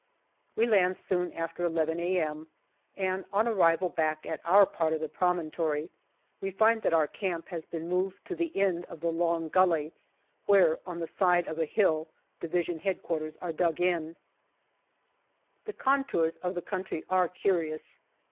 We land soon after n a.m., and on arrival back at our part of the promontory we find that our camp has been moved to the end of the long gully, where on the side of a hill D.H.Q. are dug in. The contours of the country are curious.